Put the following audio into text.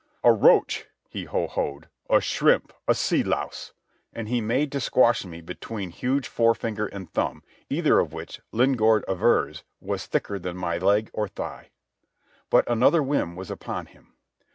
"A roach!" he ho ho'd. "A shrimp! A sea louse!" And he made to squash me between huge forefinger and thumb, either of which, Lingaard avers, was thicker than my leg or thigh. But another whim was upon him.